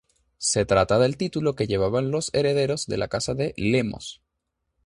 Se trata del título que llevaban los herederos de la casa de Lemos.